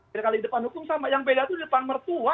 beda kali di depan hukum sama yang beda itu di depan mertua